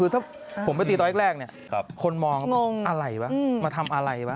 คือถ้าผมไปตีตอนแรกเนี่ยคนมองอะไรวะมาทำอะไรวะ